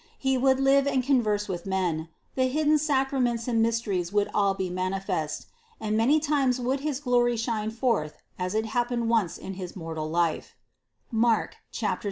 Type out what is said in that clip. He would live and converse with men ; the hidden sacra ments and mysteries would all be manifest; and many times would his glory shine forth as it happened once in his mortal life (Mark 17, 1).